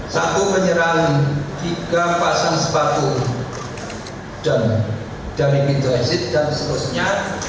satu menyerang tiga pasang sembako dan dari pintu exit dan seterusnya